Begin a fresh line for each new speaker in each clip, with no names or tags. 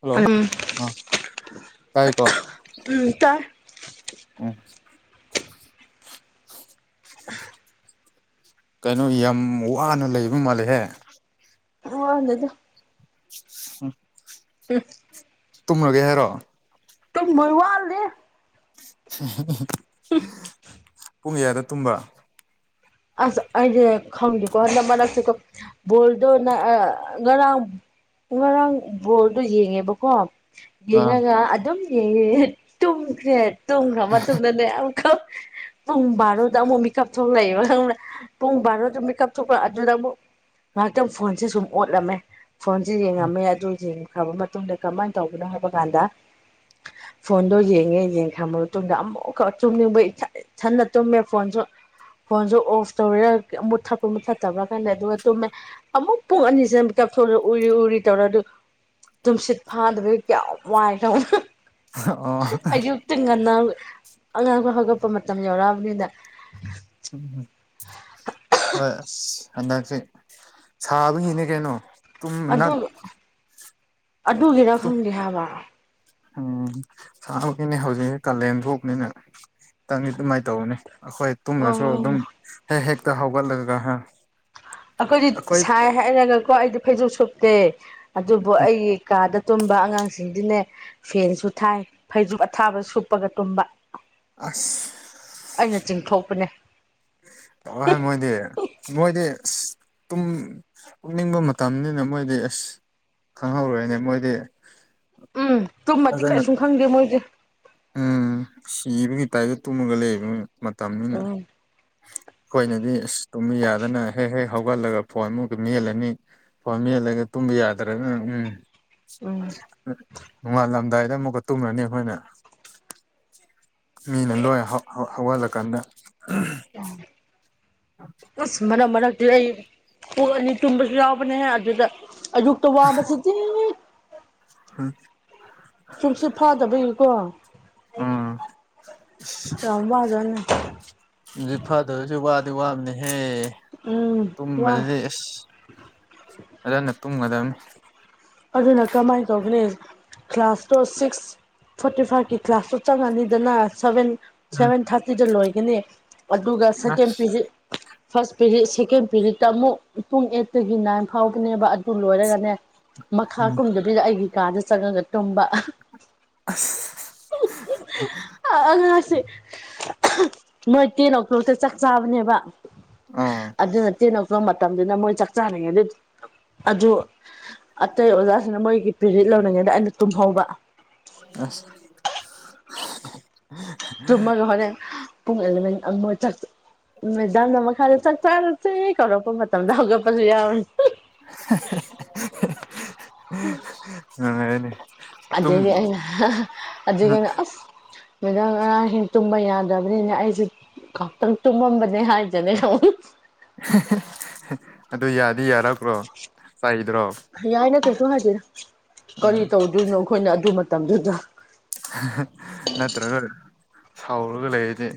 Hello
ꯎꯝ
ꯑ ꯇꯥꯌꯦꯀꯣ
ꯎꯝ ꯇꯥꯏ
ꯎꯝ
[inaudible]
ꯀꯩꯅꯣ ꯌꯥꯝ ꯋꯥꯅ ꯂꯩꯕ ꯃꯥꯜꯂꯦꯍꯦ
ꯋꯥꯗꯦꯗ
ꯍꯝ
ꯍꯦ
ꯇꯨꯝꯃꯨꯂꯒꯦ ꯍꯥꯏꯔꯣ
ꯇꯨꯃꯣꯏ ꯋꯥꯠꯂꯤ
ꯄꯨꯡ ꯀꯌꯥꯗ ꯇꯨꯝꯕ
ꯑꯁ ꯑꯩꯁꯦ ꯈꯪꯗꯦꯀꯣ ꯍꯟꯗꯛ ꯃꯔꯅꯛꯁꯦꯀꯣ ꯕꯣꯜꯗꯣ ꯅ ꯑꯥ ꯉꯔꯥꯡ ꯉꯔꯥꯡ ꯕꯣꯜꯗꯣ ꯌꯦꯡꯉꯦꯕꯀꯣ
ꯑꯥ
ꯌꯦꯡꯉꯒ ꯑꯗꯨꯝ ꯌꯦꯉꯦ ꯇꯨꯝꯈ꯭ꯔꯦ ꯇꯣꯝꯈ꯭ꯔ ꯃꯇꯨꯡꯗꯅꯦ ꯑꯃꯨꯛꯀ ꯄꯨꯡ ꯕꯥꯔꯣꯗ ꯑꯃꯨꯛ ꯃꯤꯀꯞ ꯊꯣꯛꯂꯛꯑꯏꯕ ꯈꯪꯕ꯭ꯔꯥ ꯄꯨꯡ ꯕꯥꯔꯣꯗ ꯃꯤꯀꯥꯞ ꯊꯣꯛꯄ ꯑꯗꯨꯗ ꯑꯃꯨꯛ ꯉꯥꯏꯍꯥꯛꯇꯪ ꯐꯣꯟꯁꯦ ꯁꯨꯝ ꯑꯣꯠꯂꯝꯃꯦ ꯐꯣꯟꯁꯦ ꯌꯦꯡꯉꯝꯃꯦ ꯑꯗꯨ ꯌꯦꯡꯈ꯭ꯔꯕ ꯃꯇꯨꯡꯗ ꯀꯃꯥꯏꯅ ꯇꯧꯕꯅꯣ ꯍꯥꯏꯕ ꯀꯥꯟꯗ ꯐꯣꯟꯗꯣ ꯌꯦꯡꯉꯦ ꯌꯦꯡꯈ꯭ꯔꯕ ꯃꯇꯨꯡꯗ ꯑꯃꯨꯛꯀ ꯇꯨꯝꯅꯤꯡꯕ ꯏꯊꯟ ꯏꯊꯟꯗ ꯇꯨꯝꯃꯦ ꯐꯣꯟꯁꯨ ꯐꯣꯟꯁꯨ ꯑꯣꯐ ꯇꯧꯔꯦ ꯃꯨꯠꯊꯠꯄ ꯃꯨꯠꯊꯠꯇꯕ꯭ꯔꯥ ꯈꯜꯗꯦ ꯑꯗꯨꯒ ꯇꯨꯝꯃꯦ ꯑꯃꯨꯛ ꯄꯨꯡ ꯑꯅꯤꯁꯦ ꯃꯤꯀꯞ ꯊꯣꯛꯂꯦ ꯎꯔꯤ ꯎꯔꯤ ꯇꯧꯔꯦ ꯑꯗꯨ ꯇꯨꯝꯁꯤꯠ ꯐꯥꯗꯕꯒꯤ ꯀꯌꯥꯝ ꯋꯥꯏ ꯈꯪꯕ꯭ꯔꯥ
ꯑꯣ
ꯇꯤ ꯉꯟꯅ ꯍꯧꯒꯠꯂꯦ ꯑꯉꯥꯡꯈꯩ ꯍꯧꯒꯠꯄ ꯃꯇꯝ ꯌꯧꯔꯛꯑꯕꯅꯤꯅ
ꯎꯝ ꯍꯝ ꯍꯣꯏ ꯑꯁ ꯍꯟꯗꯛꯁꯦ ꯁꯥꯕꯅꯤꯅꯦ ꯀꯩꯅꯣ
ꯑꯗꯨ
ꯇꯨꯝꯅꯛ
ꯑꯗꯨꯒꯤꯔ ꯈꯪꯗꯦ ꯍꯥꯏꯕ
ꯎꯝ ꯍꯧꯖꯤꯛꯒꯤꯅꯦ ꯍꯧꯖꯤꯛꯒꯤ ꯀꯥꯂꯦꯟ ꯊꯣꯛꯄꯅꯤꯅ ꯇꯪꯅꯤ ꯑꯗꯨꯃꯥꯏꯅ ꯇꯧꯕꯅꯤ ꯑꯩꯈꯣꯏ
ꯑꯣ
ꯇꯨꯝꯃꯁꯨ ꯑꯗꯨꯝ ꯍꯦꯛ ꯍꯦꯛꯇ ꯍꯧꯒꯠꯂꯒ ꯍꯥꯏ
ꯑꯩꯈꯣꯏꯗꯤ ꯁꯥꯏ ꯍꯥꯏꯔꯒꯀꯣ ꯑꯩꯗꯤ ꯐꯩꯖꯨꯞ ꯁꯨꯞꯇꯦ ꯑꯗꯨꯕꯨ ꯑꯩꯒꯤ ꯀꯥꯗ ꯇꯨꯝꯕ ꯑꯉꯥꯡꯁꯤꯡꯗꯤꯅꯦ ꯐꯦꯟꯁꯨ ꯊꯥꯏ ꯐꯩꯖꯨꯞ ꯑꯊꯥꯕ ꯁꯨꯞꯄꯒ ꯇꯨꯝꯕ
ꯑꯁ
ꯑꯩꯅ ꯆꯤꯡꯊꯣꯛꯄꯅꯦ
ꯅꯨꯉꯥꯏ ꯃꯣꯏꯗꯤ ꯃꯣꯏꯗꯤ ꯇꯨꯝ ꯇꯨꯝꯅꯤꯡꯕ ꯃꯇꯝꯅꯤꯅ ꯃꯣꯏꯗꯤ ꯑꯁ ꯈꯪꯍꯧꯔꯣꯏꯅꯦ ꯃꯣꯏꯗꯤ
ꯎꯝ ꯇꯨꯝꯃꯗꯤ
ꯐꯖꯅ
ꯀꯩꯁꯨꯝ ꯈꯪꯗꯦ ꯃꯣꯏꯖꯦ
ꯎꯝ ꯁꯤꯕꯒꯤ ꯇꯥꯏꯞꯇ ꯇꯨꯝꯃꯒ ꯂꯩꯕ ꯃꯇꯝꯅꯤꯅ
ꯎꯝ
ꯑꯩꯈꯣꯏꯅꯗꯤ ꯑꯁ ꯇꯨꯝꯕ ꯌꯥꯗꯅ ꯍꯦꯛ ꯍꯦꯛ ꯍꯧꯒꯠꯂꯒ ꯐꯣꯟꯃꯨꯛ ꯃꯦꯠꯂꯅꯤ ꯐꯣꯟ ꯃꯦꯜꯂꯒ ꯇꯨꯝꯕ ꯌꯥꯗ꯭ꯔꯒꯅ ꯎꯝ
ꯎꯝ
ꯅꯣꯡꯉꯥꯜꯂꯝꯗꯥꯏꯗ ꯑꯃꯨꯛꯀ ꯇꯨꯝꯒ꯭ꯔꯅꯤ ꯑꯩꯈꯣꯏꯅ ꯃꯤꯅ ꯂꯣꯏ ꯍꯧ ꯍꯧꯒꯠꯂꯀꯥꯟꯗ
ꯄꯨꯁ ꯃꯅ ꯃꯅꯥ ꯑꯩ ꯄꯨꯡ ꯑꯅꯤ ꯇꯨꯝꯕꯁꯨ ꯌꯥꯎꯕꯅꯦꯍꯦ ꯑꯗꯨꯗ ꯑꯌꯨꯛꯇ ꯋꯥꯕꯁꯤꯗꯤ
ꯑꯝ
ꯇꯨꯝꯁꯤꯠ ꯐꯥꯗꯕꯒꯤꯀꯣ
ꯎꯝ
ꯌꯥꯝ ꯋꯥꯖꯅꯤ
ꯇꯨꯝꯁꯤꯠ ꯐꯥꯗꯕꯖꯤ ꯋꯥꯗꯤ ꯋꯥꯕꯅꯦꯍꯦ
ꯎꯝ ꯋꯥ
ꯇꯨꯝꯕꯗꯗꯤ ꯑꯦꯁ ꯑꯗꯨꯗꯅ ꯇꯨꯝꯒꯗꯕꯅꯤ
ꯑꯗꯨꯅ ꯀꯃꯥꯏꯅ ꯇꯧꯒꯅꯤ ꯀ꯭ꯂꯥꯁꯇꯣ ꯁꯤꯛꯁ ꯐꯣꯔꯇꯤ ꯐꯥꯏꯚꯀꯤ ꯀ꯭ꯂꯥꯁꯇꯣ ꯆꯪꯉꯅꯤꯗꯅ ꯁꯚꯦꯟ
ꯎꯝ
ꯁꯚꯦꯟ ꯊꯥꯔꯇꯤꯗ ꯂꯣꯏꯒꯅꯤ ꯑꯗꯨꯒ ꯁꯦꯀꯦꯟ
ꯑꯁ
ꯄꯤꯔꯤꯠ ꯐꯥꯔꯁ ꯄꯦꯔꯤꯠ ꯁꯦꯀꯦꯟ ꯄꯦꯔꯤꯠꯇ ꯑꯃꯨꯛ ꯄꯨꯡ ꯑꯩꯠꯇꯒꯤ ꯅꯥꯏꯟ ꯐꯥꯎꯕꯅꯦꯕ ꯑꯗꯨ ꯂꯣꯏꯔꯒꯅꯦ ꯃꯈꯥ
ꯎꯝ
ꯀꯨꯝꯗꯕꯤꯗ ꯑꯩꯒꯤ ꯀꯥꯗ ꯆꯪꯉꯒ ꯇꯨꯝꯕ
ꯑꯁ
ꯑ ꯑꯉꯥꯡꯁꯦ ꯃꯣꯏ ꯑꯇꯩ ꯑꯣꯇꯣꯗ ꯆꯥꯛ ꯆꯥꯕꯅꯦꯕ
ꯑꯥ
ꯑꯗꯨ ꯅ ꯇꯦꯟ ꯂꯕ ꯃꯇꯝꯗꯨꯅ ꯃꯣꯏ ꯆꯥꯛ ꯆꯥꯅꯤꯡꯉꯦꯗ ꯑꯗꯨ ꯑꯇꯩ ꯑꯣꯖꯥꯁꯤꯡꯅ ꯃꯣꯏꯒꯤ ꯄꯦꯔꯤꯠ ꯂꯧꯔꯤꯡꯉꯩꯗ ꯑꯩꯅ ꯇꯨꯝꯍꯧꯕ
ꯑꯁ
ꯇꯨꯝꯃꯒ ꯍꯣꯔꯦꯟ ꯄꯨꯡ ꯑꯦꯂꯚꯦꯟ ꯑꯃ ꯆ ꯃꯦꯗꯥꯝꯅ ꯃꯈꯥꯗ ꯆꯥꯛ ꯆꯥꯔꯁꯦ ꯀꯧꯔꯛꯄ ꯃꯇꯝꯗ ꯍꯧꯒꯠꯄꯁꯨ ꯌꯥꯎꯋꯦ
[unintelligible] ꯅꯨꯡꯉꯥꯏꯔꯅꯤ ꯇꯨꯝ
ꯑꯗꯨꯗꯒꯤ ꯑꯩꯅ ꯑꯗꯨꯗꯒꯤ ꯑꯩꯅ ꯃꯦꯗꯥꯝ ꯉꯔꯥꯡꯁꯤ ꯇꯨꯝꯕ ꯌꯥꯗ꯭ꯔꯕꯅꯤꯅ ꯑꯩꯁꯨ ꯉꯥꯛꯇꯪ ꯇꯨꯝꯃꯝꯕꯅꯦ ꯍꯥꯏꯗꯣꯢꯅꯦ
ꯑꯗꯨ ꯌꯥꯗꯤ ꯌꯥꯔꯄ꯭ꯔꯣ ꯍꯥꯢꯔꯤꯗ꯭ꯔꯣ
ꯌꯥꯏꯅ ꯀꯩꯁꯨ ꯍꯥꯏꯗꯦꯗ
ꯎꯝ
ꯀꯔꯤ ꯇꯧꯗꯣꯏꯅꯣ ꯑꯩꯈꯣꯏꯅ ꯑꯗꯨ ꯃꯇꯝꯗꯨꯗ
ꯅꯠꯇ꯭ꯔꯒ ꯁꯥꯎꯔꯒ ꯂꯩꯔꯗꯤ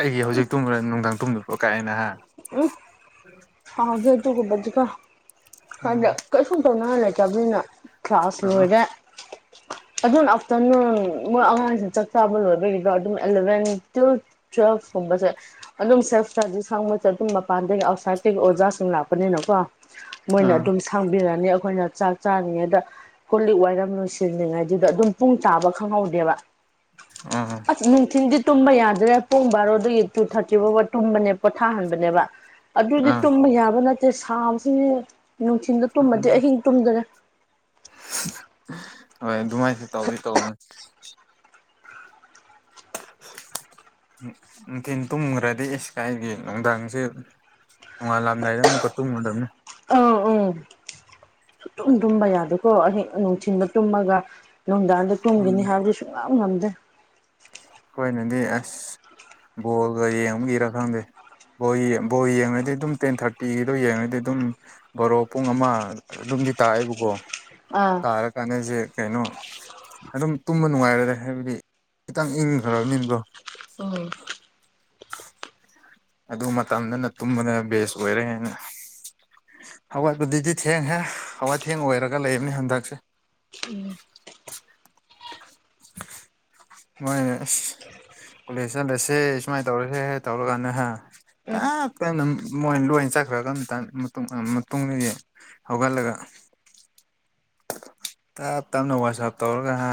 ꯀꯩꯒꯤ ꯍꯧꯖꯤꯛ ꯇꯨꯝꯕ꯭ꯔ ꯅꯨꯡꯗꯥꯡ ꯇꯨꯝꯗ ꯄ꯭ꯔꯣ ꯀꯥꯏꯅ ꯍꯥ
ꯎꯝ ꯁꯥꯎꯗꯦ ꯑꯗꯨꯒꯨꯝꯕꯗꯤꯀꯣ ꯈꯪꯗꯦ
ꯑꯥ
ꯀꯩꯁꯨꯨꯝ ꯇꯧꯅꯤꯉꯥꯢ ꯂꯩꯇꯕꯅꯤꯅ ꯀ꯭ꯂꯥꯁ ꯂꯣꯏꯔꯦ ꯑꯗꯨꯅ ꯑꯞꯇꯔꯅꯨꯟ ꯃꯣꯏ ꯑꯉꯥꯡꯁꯤꯡ ꯆꯥꯛ ꯆꯥꯕ ꯂꯣꯏꯕꯒꯤꯗꯣ ꯑꯦꯂꯚꯦꯟ ꯇꯨ ꯇ꯭ꯋꯦꯜꯀꯨꯝꯕꯁꯦ ꯑꯗꯨꯝ ꯁꯦꯜꯞ ꯏꯁꯇꯗꯤꯁ ꯍꯪꯕꯁꯦ ꯑꯗꯨꯝ ꯃꯄꯥꯟꯗꯒꯤ ꯑꯥꯎꯠꯁꯥꯏꯗꯒꯤ ꯑꯣꯖꯥꯁꯤꯡ ꯂꯥꯛꯄꯅꯤꯅꯀꯣ ꯃꯣꯏꯅ
ꯑꯥ
ꯑꯗꯨꯝ ꯁꯥꯡꯕꯤꯔꯅꯤ ꯑꯩꯈꯣꯏꯅ ꯆꯥꯛ ꯆꯥꯔꯤꯉꯩꯗ ꯀꯨ ꯂꯤꯛ ꯋꯥꯏꯔꯝ ꯂꯣꯏꯁꯤꯟꯜꯂꯤꯉꯩꯗ ꯁꯤꯗ ꯑꯗꯨꯝ ꯄꯨꯡ ꯇꯥꯕ ꯈꯪꯍꯧꯗꯦꯕ꯫
ꯑ
ꯑꯁ ꯅꯨꯡꯊꯤꯟꯗꯤ ꯇꯨꯝꯕ ꯌꯥꯗ꯭ꯔꯦ ꯄꯨꯡ ꯕꯥꯔꯣꯗꯒꯤ ꯇꯨ ꯊꯥꯔꯇꯤꯐꯥꯎꯕ ꯇꯨꯝꯕꯅꯦ ꯄꯣꯊꯥꯍꯟꯕꯅꯦꯕ ꯑꯗꯨꯗꯤ
ꯑꯥ
ꯇꯨꯝꯕ ꯌꯥꯕ ꯅꯠꯇꯦ ꯁꯥꯕꯁꯤ ꯅꯨꯡꯊꯤꯟꯗ ꯇꯨꯝꯃꯗꯤ ꯑꯍꯤꯡ ꯇꯨꯝꯗ꯭ꯔꯦ꯫
ꯍꯣꯏ ꯑꯗꯨꯃꯥꯏꯅꯁꯨ ꯇꯧꯗꯤ ꯇꯧꯕꯅꯦ ꯅꯨꯡꯊꯤꯟ ꯇꯨꯝꯈ꯭ꯔꯗꯤ ꯏꯁ ꯀꯥꯏꯗꯒꯤ ꯅꯨꯡꯗꯥꯡꯁꯦ ꯅꯣꯡꯉꯥꯜꯂꯝꯗꯥꯏꯗ ꯑꯃꯨꯛꯀ ꯇꯨꯝꯉꯨꯗꯕꯅꯤ
ꯁꯨꯛꯇꯨꯝ ꯇꯨꯝꯕ ꯌꯥꯗꯦꯀꯣ ꯑꯍꯤꯡ ꯅꯨꯡꯊꯤꯟꯗ ꯇꯨꯝꯃꯒ ꯅꯨꯡꯗꯥꯡꯗ ꯇꯨꯝꯒꯅꯤ ꯍꯥꯏꯕꯗꯨꯁꯨ ꯁꯨꯉꯝ ꯉꯝꯗꯦ
ꯑꯈꯣꯏꯅꯗꯤ ꯑꯁ ꯕꯣꯜꯒ ꯌꯦꯡꯕꯒꯤꯔ ꯈꯪꯗꯦ꯫ ꯕꯣ ꯕꯣꯜ ꯌꯦꯡꯉꯗꯤ ꯑꯗꯨꯝ ꯇꯦꯟ ꯊꯥꯔꯇꯤꯒꯤꯗꯣ ꯌꯦꯡꯉꯗꯤ ꯑꯗꯨꯝ ꯕꯔꯣ ꯄꯨꯡ ꯑꯃ ꯑꯗꯨꯝꯗꯤ ꯇꯥꯛꯑꯦꯕꯀꯣ
ꯑꯥ
ꯇꯥꯔꯀꯥꯟꯗꯁꯦ ꯀꯩꯅꯣ ꯑꯗꯨꯝ ꯇꯨꯝꯕ ꯅꯨꯡꯉꯥꯏꯔꯔꯦ ꯍꯥꯏꯕꯗꯤ ꯈꯤꯇꯪ ꯏꯪꯈ꯭ꯔꯕꯅꯤꯅꯀꯣ
ꯎꯝ
ꯑꯗꯨ ꯃꯇꯝꯗꯅ ꯇꯨꯝꯕꯅ ꯕꯦꯁ ꯑꯣꯏꯔꯦꯅ ꯍꯧꯒꯠꯕꯄꯗꯨꯗꯤ ꯊꯦꯡꯍꯦ ꯍꯩꯒꯠ ꯊꯦꯡ ꯑꯣꯏꯔꯒ ꯂꯩꯕꯅꯦ ꯍꯟꯗꯛꯁꯦ꯫
ꯎꯝ
ꯃꯣꯏꯅꯦ ꯑꯁ ꯀꯣꯂꯦꯖ ꯆꯠꯂꯁꯦ ꯁꯨꯃꯥꯏꯅ ꯇꯧꯔꯁꯦ ꯇꯧꯔꯀꯥꯟꯗ ꯍꯥ ꯇꯞ ꯇ ꯃꯣꯏ ꯂꯣꯏ ꯆꯠꯈ꯭ꯔꯒꯝ ꯃꯇꯝ ꯃꯇꯨꯡ ꯃꯇꯨꯡꯗꯗꯤ ꯍꯧꯒꯠꯂꯒ ꯇꯞ ꯇꯞꯅ ꯋꯥꯁꯞ ꯇꯧꯔꯒ ꯍꯥ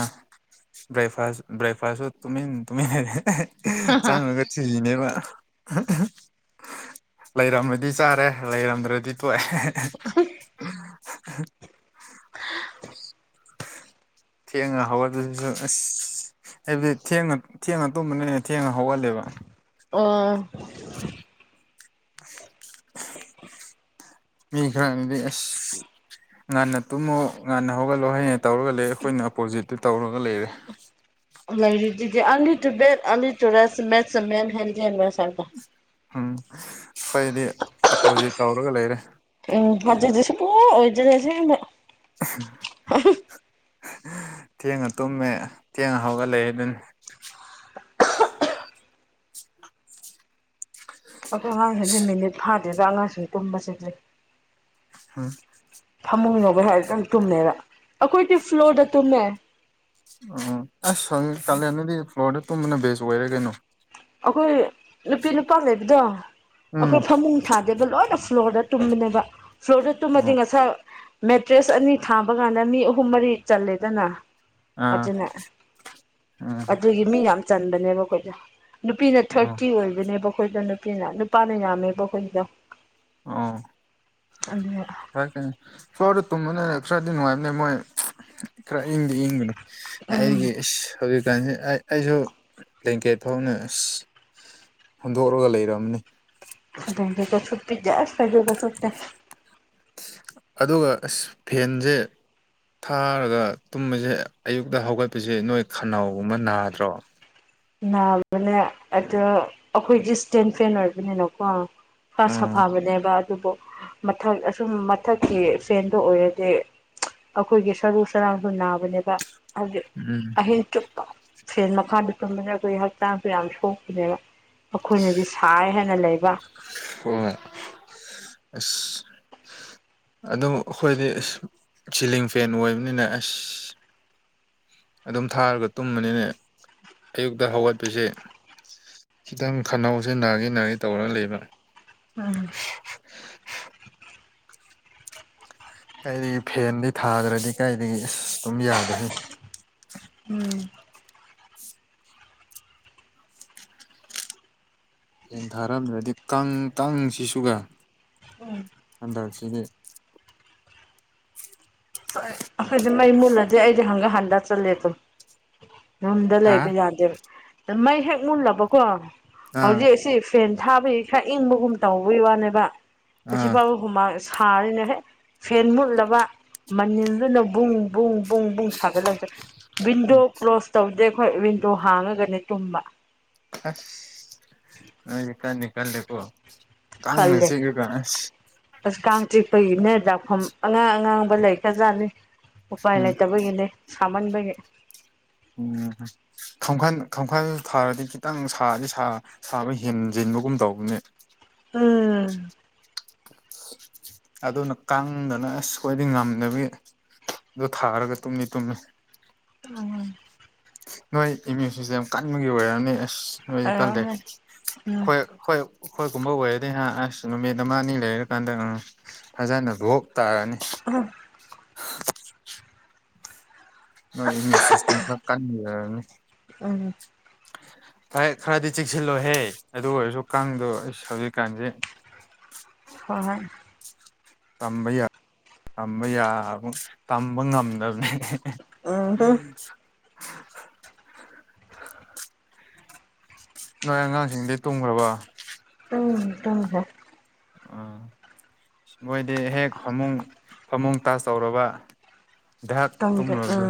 ꯕꯔ‌ꯦꯛꯐꯥꯁꯨ ꯔꯦꯛꯐꯥꯁꯁꯨ ꯇꯨꯃꯤꯟ ꯇꯨꯃꯤꯟ ꯆꯥꯅ ꯊꯤꯔꯤꯅꯦꯕ ꯂꯩꯔꯝꯃꯗꯤ ꯆꯥꯔꯦ ꯂꯩꯔꯝꯗ꯭ꯔꯗꯤ ꯇꯣꯛꯑ‌ꯦ ꯊꯦꯡꯅ ꯍꯧꯒꯠꯄꯗꯨꯁꯨ ꯑꯁ ꯑꯩꯏꯕꯨꯗꯤ ꯊꯦꯡꯅ ꯊꯦꯡꯅ ꯇꯨꯝꯕꯅꯤꯅ ꯊꯦꯡꯅ ꯍꯧꯒꯜꯂꯦꯕ꯫
ꯑꯣ
ꯃꯤꯈ꯭ꯔꯅꯗꯤ ꯑꯁ ꯉꯥꯟꯅ ꯇꯨꯝꯃꯣ ꯉꯥꯟꯟꯡꯅ ꯍꯧꯒꯠꯂꯣ ꯍꯥꯏꯅ ꯇꯧꯔꯒ ꯂꯩ ꯑꯩꯈꯣꯏꯅ ꯑꯣꯄꯣꯖꯤꯠꯇ ꯇꯧꯔꯒ ꯂꯩꯔꯦ꯫
ꯂꯩꯔꯤꯗꯨꯗꯤ early to bed early to rise makes a main healthy [unintelligible]
um ꯑꯩꯈꫭꯏꯗꯤ opposite ꯇꯧꯔꯒ ꯂꯩꯔꯦ꯫
ꯎꯝ [unintelligible]
ꯊꯦꯡꯅ ꯇꯨꯝꯃꯦ ꯊꯦꯡꯅ ꯍꯧꯒꯂ‌ꯦꯗꯨꯅꯤ
ꯑꯈꯣ ꯑꯉꯥꯡꯁꯤꯡꯗꯤ ꯃꯤꯅꯤꯠ ꯐꯥꯗꯦꯗ ꯑꯉꯥꯡꯁꯤꯡ ꯇꯨꯝꯕꯁꯤꯗꯤ
ꯍꯥ
ꯐꯃꯨꯡ ꯂꯩꯕꯩ ꯍꯥꯏꯔꯗꯤ ꯑꯗꯨꯝ ꯇꯨꯝꯃꯦꯕ ꯑꯩꯈꯣꯏꯗꯤ ꯐ꯭ꯂꯣꯔꯗ ꯇꯨꯝꯃꯦ꯫
ꯎꯝ ꯑꯁ ꯁꯪ ꯀꯥꯂꯦꯟꯗꯗꯤ ꯐ꯭ꯂꯣꯔꯗ ꯇꯨꯝꯕꯅ ꯕꯦꯁ ꯑꯣꯏꯔꯦ ꯀꯩꯅꯣ꯫
ꯑꯩꯈꯣꯏ ꯅꯨꯄꯤ ꯅꯨꯄꯥ ꯂꯩꯕꯗꯣ
ꯎꯝ
ꯑꯩꯈꯣꯏ ꯐꯃꯨꯡ ꯊꯥꯗ‌ꯦꯕ ꯂꯣꯏꯅ ꯐ꯭ꯂꯣꯔꯗ ꯇꯨꯝꯕꯅꯦꯕ ꯐ꯭ꯂꯣꯔꯗ ꯇꯨꯝꯃꯗꯤ
ꯑꯣ
ꯉꯁꯥꯏ ꯃꯦꯇ꯭ꯔꯦꯁ ꯑꯅꯤ ꯊꯥꯕ ꯀꯥꯟꯗ ꯃꯤ ꯑꯍꯨꯝ ꯃꯔꯤ ꯆꯜꯂꯦꯗꯅ꯫
ꯑꯥ
ꯑꯗꯨꯅ
ꯎꯝ
ꯑꯗꯨꯒꯤ ꯃꯤ ꯌꯥꯝ ꯆꯟꯕꯅꯦꯕ ꯑꯩꯈꯣꯏꯗꯤ꯫ ꯅꯨꯄꯤꯅ
ꯑꯣ
ꯊꯥꯔꯇꯤ ꯑꯣꯏꯕꯅꯦꯕ ꯑꯩꯈꫭꯏꯗ ꯅꯨꯄꯤꯅ ꯅꯨꯄꯥꯅ ꯌꯥꯝꯃꯦꯕ ꯑꯩꯈꯣꯏꯒꯤꯗꯣ
ꯑꯣ
ꯑꯗꯨꯅ‌ꯦ
ꯐꯔꯀꯥꯅꯤ ꯐ꯭ꯂꯣꯔꯗ ꯇꯨꯝꯕꯅꯤꯅ ꯈꯔꯗꯤ ꯅꯨꯡꯉꯥꯏꯕꯅꯦ ꯃꯣꯏ ꯈꯔ ꯏꯪꯗꯤ ꯏꯪꯕꯅꯤ
ꯎꯝ
ꯑꯩꯒꯤ ꯏꯁ ꯍꯧꯖꯤꯛꯀꯥꯟꯁꯤ ꯑꯩ ꯑꯩꯁꯨ ꯕ꯭ꯂꯦꯡꯀꯦꯠ ꯐꯥꯎꯅ ꯑꯁ ꯍꯨꯟꯗꯣꯛꯔꯥꯒ ꯂꯩꯔꯝꯅꯤ
ꯑꯗꯨꯝꯗꯒꯥ ꯁꯨꯞꯄꯤꯗꯦ ꯑꯁ ꯐꯩꯖꯨꯞ ꯀꯥ ꯁꯨꯞꯇꯦ
ꯑꯗꯨꯒꯥ ꯑꯁ ꯐꯦꯟꯖ‌ꯦ ꯊꯥꯔꯒꯥ ꯇꯨꯝꯕꯁꯦ ꯑꯌꯨꯛꯇꯥ ꯍꯧꯒꯠꯄꯁꯦ ꯅꯣꯏ ꯈꯅꯥꯎꯒꯨꯝꯕ ꯅꯥꯗ꯭ꯔꯣ
ꯅꯥꯕꯅꯦ ꯑꯗꫭ ꯑꯈꯣꯏꯗꯤ ꯏꯁꯇꯦꯟ ꯐꯦꯟ ꯑꯣꯏꯕꯅꯤꯅꯀꯣ ꯈꯔ
ꯎꯝ
ꯁꯥꯐꯥꯕꯅꯦꯕ ꯑꯗꯨꯕꯨ ꯃꯊꯛ ꯑꯁꯨꯝ ꯃꯊꯛꯀꯤ ꯐꯦꯟꯗꯨ ꯑꯣꯏꯔꯗꯤ ꯑꯈꯣꯏꯒꯤ ꯁꯔꯨ ꯁꯔꯥꯡꯁꯨ ꯅꯥꯕꯅꯦꯕ ꯍꯥꯏꯕꯗꯤ
ꯎꯝ
ꯑꯍꯤꯡ ꯆꯨꯞꯄ ꯐ‌ꯦꯟ ꯃꯥꯈꯥꯗ ꯇꯨꯝꯕꯗ ꯑꯩꯈꯣꯏ ꯍꯛꯆꯥꯡꯁꯨ ꯌꯥꯝ ꯁꯣꯛꯄꯅꯦꯕ ꯑꯈꯣꯏꯅꯗꯤ ꯁꯥꯏ ꯍꯥꯏꯅ ꯂꯩꯕ
[unintelligible] ꯑꯁ ꯑꯗꯨꯝ ꯑꯈꯣꯏꯗꯤ ꯆꯤꯂꯤꯡ ꯐꯦꯟ ꯑꯣꯏꯕꯅꯤꯅ ꯑꯁ ꯑꯗꯨꯝ ꯊꯥꯔꯒ ꯇꯨꯝꯕꯅꯤꯅꯦ ꯑꯌꯨꯛꯇꯥ ꯍꯧꯒꯠꯄꯁꯦ ꯈꯤꯇꯪ ꯈꯟꯅꯧꯖ‌ꯦ ꯅꯥꯒꯦ ꯅꯥꯒꯦ ꯇꯧꯔ ꯂꯩꯕ
ꯎꯝ
ꯀꯥꯏꯗꯒꯤ ꯐꯦꯟꯗꯤ ꯊꯥꯗ꯭ꯔꯥꯗꯤ ꯀꯥꯏꯗꯒꯤ ꯏꯁ ꯇꯨꯝ ꯌꯥꯗꯦꯍꯦ
ꯎꯝ
ꯍꯦꯟ ꯊꯥꯔꯝꯗ꯭ꯔꯥꯗꯤ ꯀꯪ ꯀꯪ ꯁꯤꯁꯨꯒꯥ ꯍꯟꯗꯛꯁꯤꯗꯤ
[unintelligible] ꯑꯈꯣꯏꯗꯤ ꯃꯩ ꯃꯨꯠꯂꯗꯤ ꯑꯩꯗꯤ ꯍꯪꯒꯥ ꯍꯟꯗ ꯆꯠꯂꯦ ꯑꯗꯨꯝ ꯌꯨꯝꯗ
ꯍꯥ
ꯂꯩꯕ ꯌꯥꯗꯦꯕ ꯗꯥ ꯃꯩ ꯍꯦꯛ ꯃꯨꯜꯂꯕꯀꯣ
ꯑꯥ
ꯍꯧꯖꯤꯛ ꯑꯁꯤ ꯐꯦꯟ ꯊꯥꯕꯒꯤ ꯈꯔ ꯏꯪꯕꯒꯨꯝ ꯇꯧꯕꯒꯤ ꯋꯥꯅꯦꯕ ꯑꯁꯤ
ꯑꯥ
ꯐꯥꯎꯕ ꯍꯨꯝꯃꯥꯏ ꯁꯥꯔꯤꯅꯦ ꯍꯦ ꯐꯦꯟ ꯃꯨꯠꯂꯕ ꯃꯅꯤꯜꯗꯨꯅ ꯕꯨꯡ ꯕꯨꯡ ꯕꯨꯡ ꯕꯨꯡ ꯁꯥꯒꯠꯂꯒꯥ ꯋꯤꯟꯗꯣ ꯀ꯭ꯂꯣꯁ ꯇꯧꯗꯦ ꯑꯈꯣꯏ ꯋꯤꯟꯗꯣ ꯍꯥꯡꯉꯒꯥꯅꯦ ꯇꯨꯝꯕ
ꯑꯁ ꯅꯣꯏꯗꯤ ꯀꯟꯅꯤ ꯀꯜꯂꯦꯀꯣ ꯀꯥꯡꯅ
ꯈꯜꯂꯦ
ꯆꯤꯛꯔꯒꯥ ꯑꯁ
ꯑꯁ ꯀꯥꯡ ꯆꯤꯛꯄꯒꯤꯅꯦ ꯗꯥꯛꯐꯝ ꯑꯉꯥꯡ ꯑꯉꯥꯡꯕ ꯂꯩꯈ꯭ꯔꯖꯥꯠꯅꯤ ꯎꯄꯥꯏ
ꯎꯝ
ꯂꯩꯇꯕꯒꯤꯅꯦ ꯁꯥꯃꯟꯕꯒꯤ
ꯎꯝ ꯈꯝꯈꯜ ꯈꯝꯈꯜ ꯊꯥꯔꯗꯤ ꯈꯤꯇꯪ ꯁꯥꯔꯗꯤ ꯁꯥ ꯁꯥꯕ ꯍꯦꯟꯖꯤꯟꯕꯒꯨꯝ ꯇꯧꯕꯅꯦ
ꯎꯝ
[inaudible] ꯑꯗꯨꯅ ꯀꯥꯡꯗꯅ ꯑꯁ ꯈꯣꯏꯗꯤ ꯉꯝꯗꯕꯤ ꯑꯗꯣ ꯊꯥꯔꯒꯥ ꯇꯨꯝꯃꯤ ꯇꯨꯝꯃꯤ
ꯎꯝ
ꯅꯣꯏ ꯏꯃ꯭ꯌꯨꯟ ꯁꯤꯁꯇꯦꯝ ꯀꯟꯕꯒꯤ ꯑꯣꯏꯔꯝꯅꯤ ꯑꯁ ꯅꯣꯏꯗꯤ ꯀꯟꯂꯦ
ꯑꯣꯏꯔꯝꯅꯤ ꯎꯝ
ꯈꯣꯏ ꯍꯣꯏ ꯑꯈꯣꯏꯒꯨꯝꯕ ꯑꯣꯏꯔꯗꯤ ꯍꯥ ꯑꯁ ꯅꯨꯃꯤꯠ ꯑꯃ ꯑꯅꯤ ꯂꯩꯔꯀꯥꯟꯗ ꯎꯝ ꯐꯖꯅ ꯚꯣꯛ ꯇꯥꯔꯅꯤ
ꯎꯝ
ꯍꯥ ꯅꯣꯏ ꯏꯃ꯭ꯌꯨꯟ ꯁꯤꯁꯇꯦꯝ ꯈꯔ ꯀꯟꯕꯒꯤ ꯑꯣꯏꯔꯝꯅꯤ
ꯎꯝ
ꯐꯥꯏ ꯈꯔꯗꯤ ꯆꯦꯛꯁꯤꯜꯂꯣꯍꯦ ꯑꯗꯨ ꯑꯣꯏꯔꯁꯨ ꯀꯥꯡꯗꯣ ꯏꯁ ꯍꯧꯖꯤꯛꯀꯥꯟꯖꯦ
ꯍꯣꯏ ꯍꯣꯏ
ꯇꯝꯕ ꯌꯥ ꯇꯝꯕ ꯌꯥ ꯒꯨꯝ ꯇꯝꯕ ꯉꯝꯗꯕꯅ‌ꯦ
ꯎꯝ
[unintelligible] ꯅꯣꯏ ꯑꯉꯥꯡꯁꯤꯡꯗꯤ ꯇꯨꯝꯈ꯭ꯔꯥꯕ
ꯎꯝ ꯇꯨꯝꯈ꯭ꯔꯦ
ꯑꯥ ꯃꯣꯏꯗꯤ ꯍꯦꯛ ꯐꯃꯨꯡ ꯐꯃꯨꯡ ꯇꯁ ꯇꯧꯔꯕ ꯙꯛ
ꯇꯧꯗꯦ ꯑ
ꯇꯨꯝꯔꯕꯗꯣ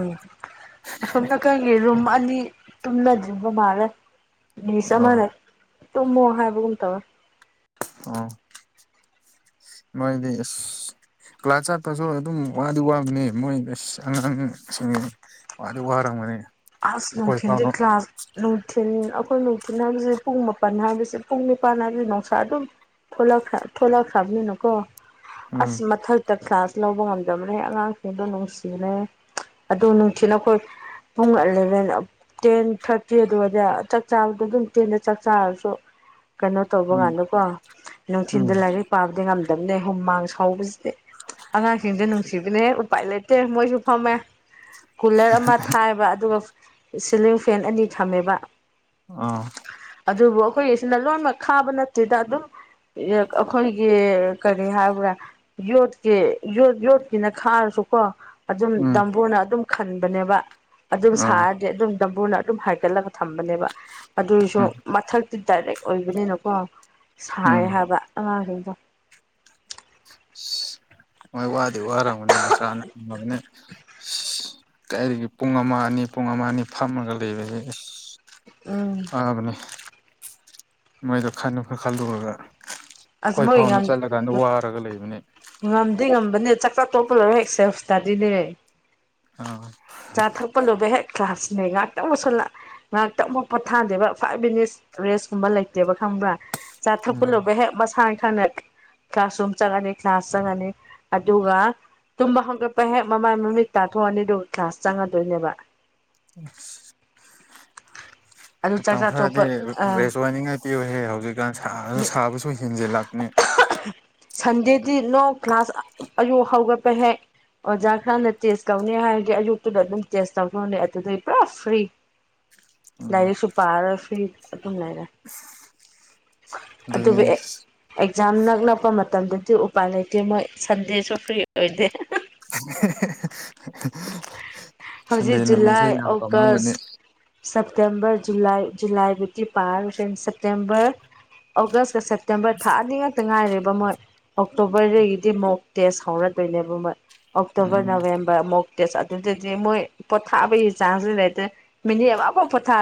ꯑꯁꯣꯝꯗ ꯈꯔꯒꯤ ꯔꯨꯝ ꯑꯅꯤ ꯇꯨꯝꯅꯗ꯭ꯔꯤꯕ ꯃꯥꯜꯂꯦ ꯃꯤꯁ ꯑꯃ
ꯑꯥ
ꯂꯩ ꯇꯨꯝꯃꯣ ꯍꯥꯏꯕꯒꯨꯝ ꯇꯧꯋꯦ
ꯑꯣ ꯃꯣꯏꯗꯤ ꯑꯁ ꯀ꯭ꯂꯥꯁ ꯆꯠꯇꯁꯨ ꯑꯗꯨꯝ ꯋꯥꯗꯤ ꯋꯥꯕꯅꯦ ꯃꯣꯏ ꯑꯁ ꯑꯉꯥꯡꯁꯤꯡ ꯋꯥꯗꯤ ꯋꯥꯔꯝꯒꯅꯤ
ꯑꯁ
ꯑꯩꯈꯣꯏ
ꯅꯨꯡꯊꯤꯟꯗꯤ
ꯐꯥꯎꯅ
ꯀ꯭ꯂꯥꯁ ꯅꯨꯡꯊꯤꯟ ꯑꯩꯈꯣꯏ ꯅꯨꯡꯊꯤꯟ ꯍꯥꯏꯕꯁꯤ ꯄꯨꯡ ꯃꯥꯄꯜ ꯍꯥꯏꯕꯁꯤ ꯄꯨꯡ ꯅꯤꯄꯥꯟ ꯍꯥꯏꯕꯗꯤ ꯅꯨꯡꯁꯥ ꯑꯗꯨꯝ ꯊ‌ꯣꯂꯛꯈ꯭ꯔ ꯊꯣꯂꯛꯈ꯭ꯔꯕꯅꯤꯅ ꯀꯣ
ꯎꯝ
ꯑꯁ ꯃꯊꯛꯇ ꯀ꯭ꯂꯥꯁ ꯂꯧꯕ ꯉꯝꯗꯕꯅꯦ ꯑꯉꯥꯡꯁꯤꯡꯗꯣ ꯅꯨꯡꯁꯤꯅ‌ꯦ ꯑꯗꯨ ꯅꯨꯡꯊꯤꯜꯅ ꯑꯩꯈꯣꯏ ꯄꯨꯡ ꯑꯦꯂꯚꯦꯟ ꯇꯦꯟ ꯊꯥꯔꯇꯤ ꯑꯗꯨꯋꯥꯏꯗ ꯆꯥꯛ ꯆꯥꯕꯗꯣ ꯑꯗꯨꯝ ꯇꯦꯟꯗ ꯆꯥꯛ ꯆꯥꯔꯁꯨ ꯀꯩꯅꯣ ꯇꯧꯕ
ꯎꯝ
ꯀꯥꯟꯗꯀꯣ
ꯎꯝ
ꯅꯨꯡꯊꯤꯟꯗ ꯂꯥꯏꯔꯤꯛ ꯄꯥꯕꯗꯤ ꯉꯝꯗꯕꯅꯦ ꯍꯨꯝꯃꯥꯡ ꯁꯧꯕꯁꯤ ꯑꯉꯥꯡꯁꯤꯡꯁꯦ ꯅꯨꯡꯁꯤꯕꯅꯦꯍꯦ ꯎꯄꯥꯏ ꯂꯩꯇꯦ ꯃꯣꯏꯁꯨ ꯐꯝꯃꯦ ꯀꯨꯂꯔ ꯑꯃ ꯊꯝ ꯃ‌ꯦꯕ ꯑꯗꯨꯒ ꯁꯤꯂꯤꯡ ꯐꯦꯟ ꯑꯅꯤ ꯊꯝꯃꯦꯕ
ꯑꯥ
ꯑꯗꯨꯕꯨ ꯑꯩꯈꯣꯏꯒꯤꯁꯤꯅ ꯂꯣꯏꯃꯛ ꯈꯥꯕ ꯅꯠꯇꯦꯗ ꯑꯗꯨꯝ ꯌ‌ꯦ ꯑꯩꯈꯣꯏꯒꯤ ꯀꯔꯤ ꯍꯥꯏꯕ꯭ꯔꯥ ꯌꯣꯠꯀꯤ ꯌꯣꯠ ꯌꯣꯠꯀꯤꯅ ꯈꯥꯔꯁꯨꯀꯣ ꯑꯗꯨꯝ
ꯎꯝ
ꯗꯝꯕꯨꯔꯅ ꯑꯗꯨꯝ ꯈꯟꯕꯅꯦꯕ ꯑꯗꯨꯝ
ꯑꯥ
ꯁꯥꯔꯗꯤ ꯑꯗꯨꯝ ꯗꯝꯕꯨꯔꯅ ꯑꯗꯨꯝ ꯍꯥꯏꯒꯠꯂꯒ ꯊꯝꯕꯅꯦꯕ ꯑꯗꯨꯏꯁꯨ
ꯎꯝ
ꯃꯊꯛ ꯇꯤ ꯗꯥꯏꯔꯦꯛ ꯑꯣꯏꯕꯅꯤꯅꯀꯣ
ꯎꯝ
ꯁꯥꯏꯌꯦ ꯍꯥꯏꯕ ꯑꯉꯥꯡꯁꯤꯡꯗꯣ
ꯑꯁ ꯁꯤ ꯍꯣꯏ ꯋꯥꯗꯤ ꯋꯥꯔꯝꯒꯅꯤ ꯅꯨꯡꯁꯥꯅ‌ꯦ ꯁꯤ ꯀꯔꯤꯒꯤ ꯄꯨꯡ ꯑꯃ ꯑꯅꯤ ꯄꯨꯡ ꯑꯃ ꯑꯅꯤ ꯐꯝꯃꯒ ꯂꯩꯕꯁꯦ
ꯎꯝ
ꯑꯁ ꯋꯥꯕꯅ‌ꯦ ꯃꯣꯏꯗꯣ ꯈꯟꯅ ꯈꯜꯂꯨꯔ
ꯑꯁ
ꯈ‌ꯣꯏ
ꯃꯣꯏ ꯉꯝ
ꯐꯥꯎꯅ ꯆꯠꯂꯀꯥꯟꯗ ꯋꯥꯔꯒ ꯂꯩꯕꯅꯦ
ꯉꯝꯗꯤ ꯉꯝꯕꯅꯦ ꯆꯥꯛ ꯆꯥꯛ ꯇꯣꯛꯄꯒ ꯍ‌ꯦꯛ ꯁ‌ꯦꯐ‌ꯏꯁꯇꯥꯗꯤꯅꯦ
ꯑ
ꯆꯥ ꯊꯛꯄ ꯂ‌ꯣꯏꯕꯒ ꯍꯦꯛ ꯀ꯭ꯂꯥꯁꯅꯦ ꯉꯥꯛꯇꯪꯕꯨꯨꯛ ꯁꯂꯥ ꯉꯥꯏꯍꯥꯛꯇꯪꯕꯨ ꯄꯣꯠꯊꯥꯗꯦꯕ ꯐꯥꯏꯚ ꯃꯤꯅꯤꯠꯁ ꯔꯦꯁꯀꯨꯝꯕ ꯂꯩꯇꯦꯕ ꯈꯪꯕ꯭ꯔꯥ ꯆꯥ ꯊꯛꯄ
ꯎꯝ
ꯂꯣꯏꯕꯒ ꯍꯦꯛ ꯃꯁꯥꯏ ꯈꯪꯅ ꯀ꯭ꯂꯥꯁ ꯔꯨꯝ ꯆꯪꯉꯅꯤ ꯀ꯭ꯂꯥꯁ ꯆꯪꯉꯅꯤ ꯑꯗꯨꯒ ꯇꯨꯝꯕ ꯍꯧꯒꯠꯄ ꯍꯦꯛ ꯃꯃꯥꯏ ꯃꯃꯤꯠ ꯇꯥꯊꯣꯛꯑꯅꯤ ꯑꯗꯨꯒ ꯀ꯭ꯂꯥꯁ ꯆꯪꯉꯗꯣꯏꯅꯦꯕ
[inaudible]
ꯑꯗꯨ
ꯃꯇꯝ
ꯆꯥꯛꯆꯥ
ꯈꯔꯗꯤ
ꯇꯣꯛꯄ ꯑꯥ
ꯔꯦꯁ ꯑꯣꯏꯅꯤꯡꯉꯥꯏ ꯄꯤꯌ‌ꯣꯍ‌ꯦ ꯍꯧꯖꯤꯛꯀꯥꯟ ꯁꯥꯕꯅ ꯁꯥꯕꯁꯨ ꯍꯦꯟꯖꯤꯜꯂꯛꯄꯅꯦ
ꯁꯟꯗꯦꯗꯤ ꯅꯣ ꯀ꯭ꯂꯥꯁ ꯑꯌꯨꯛ ꯍꯧꯒꯠꯄꯍꯦꯛ ꯑꯣꯖꯥ ꯈꯔꯅ ꯇꯦꯁ ꯇꯧꯅꯤ ꯍꯥꯏꯔꯗꯤ ꯑꯌꯨꯛꯇꯨꯗ ꯑꯗꯨꯝ ꯇꯦꯁ ꯇꯧꯗꯨꯅꯦ ꯑꯗꯨꯗꯩ ꯄꯨꯔꯥ ꯐ꯭ꯔꯤ
[inaudible] ꯎꯝ
ꯂꯥꯏꯔꯤꯛꯁꯨ ꯄꯥꯔꯣꯏꯁꯨ ꯐ꯭ꯔꯤ ꯑꯗꯨꯝ ꯂꯩꯔꯦ ꯑꯗꯨꯕꯨ
ꯑꯗꯨꯅꯤꯅꯦ
ꯑꯦꯛ ꯑꯦꯛꯖꯥꯝ ꯅꯛꯂꯛꯄ ꯃꯇꯝꯗꯗꯤ ꯎꯄꯥꯏ ꯂꯩꯇꯦ ꯃꯣꯏ ꯁꯟꯗꯦꯁꯨ ꯐ꯭ꯔꯤ ꯑꯣꯏꯗꯦ
ꯁꯟꯗꯦ
ꯍꯧꯖꯤꯛ
ꯅꯨꯃꯤꯠꯁꯨ
ꯖꯨꯂꯥꯏ
ꯌꯥꯝ
ꯑꯣꯒꯁ
ꯄꯥꯝꯂꯝꯒꯅꯤ
ꯁꯦꯞꯇꯦꯝꯕꯔ ꯖꯨꯂꯥꯏ ꯖꯨꯂꯥꯏꯕꯨꯗꯤ ꯄꯥꯔꯂ‌ꯣꯏꯁ‌ꯦ ꯁꯦꯞꯇꯦꯝꯕꯔ ꯑꯣꯒꯁꯀꯒ ꯁ‌ꯦꯞꯇ‌ꯦꯝ ꯇꯦꯝꯕꯔ ꯊꯥ ꯑꯅꯤ ꯉꯛꯇ ꯉꯥꯏꯔꯦꯕ ꯃꯣꯏ ꯑꯣꯛꯇꯣꯕꯔꯗꯒꯤꯗꯤ ꯃꯨꯛ ꯇꯦꯁ ꯍꯧꯔꯗꯣꯏꯅꯦꯕ ꯃꯣꯏ ꯑꯣꯛꯇꯣꯕꯔ
ꯎꯝ
ꯅꯕꯦꯝꯕꯔ ꯑꯃꯣꯛ ꯇꯦꯁꯁꯥ ꯑꯗꯨꯗꯤ ꯃꯣꯏ ꯄꯣꯊꯥꯕꯩ ꯆꯥꯖꯖꯨ ꯂꯩꯇꯦ ꯃꯤꯅꯤ ꯑꯕꯨ ꯄꯣꯊꯥ